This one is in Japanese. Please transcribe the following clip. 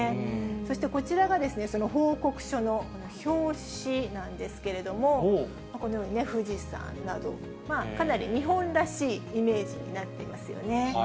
そしてこちらが、その報告書の表紙なんですけれども、このように富士山など、かなり日本らしいイメージになってますよね。